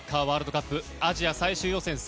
ワールドカップアジア最終予選